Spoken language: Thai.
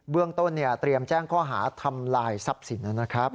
เรื่องต้นเตรียมแจ้งข้อหาทำลายทรัพย์สินนะครับ